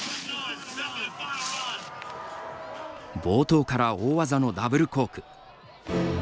冒頭から大技のダブルコーク。